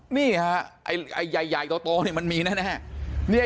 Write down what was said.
นี่ไอ้ใหญ่เกาะโตเนี่ยมันมีนะนะฮะ